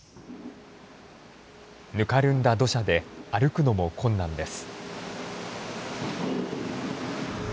ぬかるんだ土砂で歩くのも困難です。